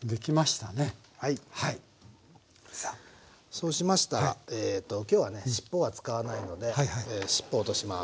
そうしましたらえと今日はねしっぽは使わないのでしっぽ落とします。